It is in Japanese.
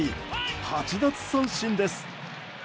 ８奪三振です。